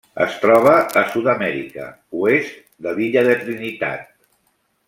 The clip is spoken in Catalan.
Es troba a Sud-amèrica: oest de l'illa de Trinitat.